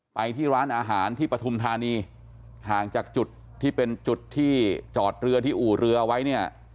ไปที่ร้านอาหารที่ปฐุมธานีห่างจากจุดที่เป็นจุดที่จอดเรือที่อู่เรือไว้เนี่ย